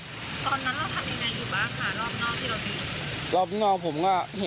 ตอนนั้นเราทำยังไงอยู่บ้างค่ะรอบนอกที่เรามี